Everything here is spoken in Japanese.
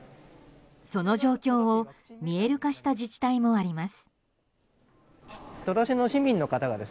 その状況を見える化した自治体もあります。